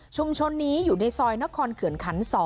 ชุมชนนี้อยู่ในซอยนกครเขื่อนขันส